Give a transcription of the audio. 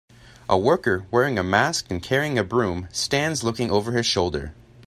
A worker wearing a mask and carrying a broom, stands looking over his shoulder.